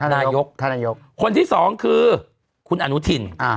นายกคนที่สองคือคุณอนุทิน